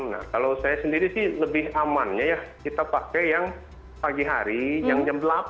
nah kalau saya sendiri sih lebih amannya ya kita pakai yang pagi hari yang jam delapan